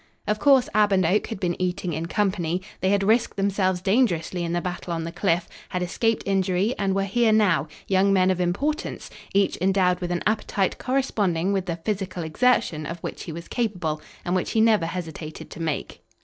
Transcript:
Of course Ab and Oak had been eating in company. They had risked themselves dangerously in the battle on the cliff, had escaped injury and were here now, young men of importance, each endowed with an appetite corresponding with the physical exertion of which he was capable and which he never hesitated to make.